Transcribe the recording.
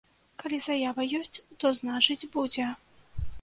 Калі заява ёсць, то значыць будзе.